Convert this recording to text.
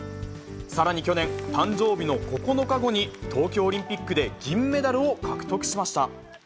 さらに去年、誕生日の９日後に東京オリンピックで銀メダルを獲得しました。